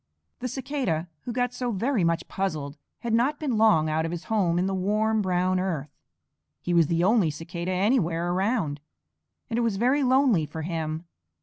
The Cicada who got so very much puzzled had not been long out of his home in the warm, brown earth. He was the only Cicada anywhere around, and it was very lonely for him.